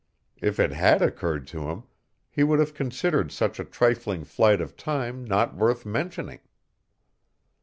If it had occurred to him, he would have considered such a trifling flight of time not worth mentioning.